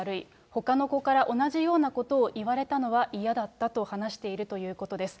ほかの子から同じようなことを言われたのは嫌だったと話しているということです。